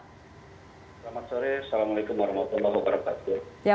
selamat sore assalamualaikum wr wb